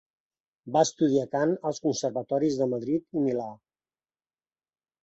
Va estudiar cant als conservatoris de Madrid i Milà.